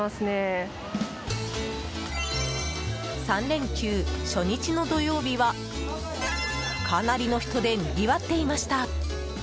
３連休、初日の土曜日はかなりの人でにぎわっていました。